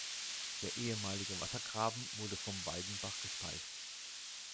Der ehemalige Wassergraben wurde vom Weidenbach gespeist.